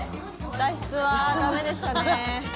脱出は駄目でしたね。